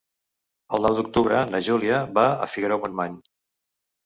El nou d'octubre na Júlia va a Figaró-Montmany.